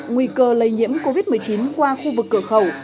nguy cơ lây nhiễm covid một mươi chín qua khu vực cửa khẩu